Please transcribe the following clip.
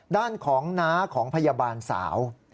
ด้านของน้าของพยาบาลสาว